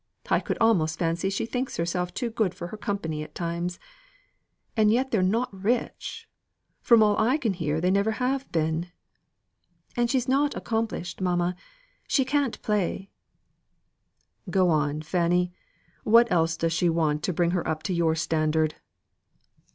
I could almost fancy she thinks herself too good for her company at times. And yet they're not rich; from all I can hear they never have been." "And she's not accomplished, mamma. She can't play." "Go on, Fanny. What else; does she want to bring her up to your standard?"